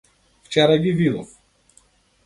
Вчера ги видов.